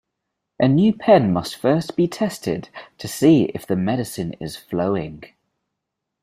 A new pen must first be tested to see if the medicine is flowing.